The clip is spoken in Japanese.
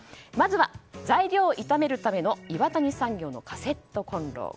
まずは材料を炒めるための岩谷産業のカセットコンロ。